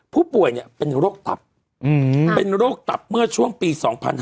ผู้ป่วยเป็นโรคตับเป็นโรคตับเมื่อช่วงปี๒๕๕๙